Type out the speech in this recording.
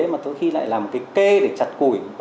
mà tới khi lại là một cái kê để chặt củi